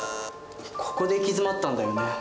ここで行き詰まったんだよね。